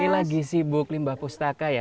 ini lagi sibuk limbah pustaka ya